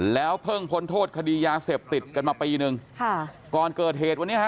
แล้วเพิ่งพ้นโทษคดียาเสพติดกันมาปีนึงค่ะก่อนเกิดเหตุวันนี้ฮะ